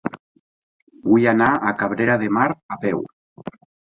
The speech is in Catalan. Vull anar a Cabrera de Mar a peu.